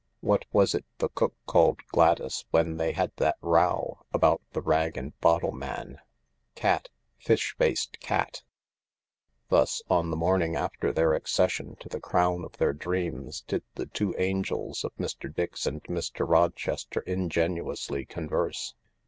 " What was it the cook called Gladys when they had that row about the rag and bottfcjj man ?' Cat 1 Fish faced cat I '" Thus on the morning after their accession to the crown of their dreams did the two angels of Mr. Dix and Mr. Rochester ingenuously converse.